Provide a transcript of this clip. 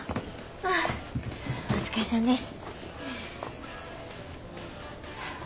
ああお疲れさんです。